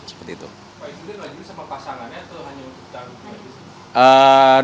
pak sudirman ini sama pasangannya atau hanya untuk calon gubernur